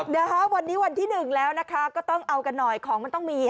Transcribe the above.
นะคะวันนี้วันที่๑แล้วนะคะก็ต้องเอากันหน่อยของมันต้องมี